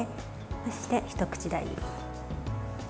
そして、一口大に。